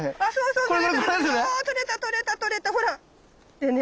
でね